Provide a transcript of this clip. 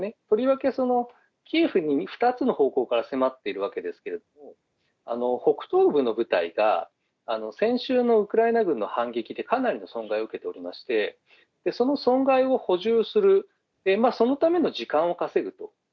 とりわけキエフに２つの方向から迫っているわけですけれども、北東部の部隊が先週のウクライナ軍の反撃で、かなりの損害を受けておりまして、その損害を補充する、そのための時間を稼ぐと。